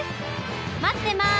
まってます！